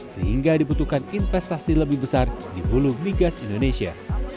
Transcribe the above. sehingga dibutuhkan investasi lebih besar di bulu bigas indonesia